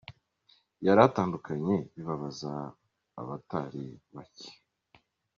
yaratandukanye bibabaza abatari bake .